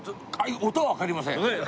音はわかりません。